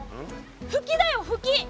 フキだよフキ。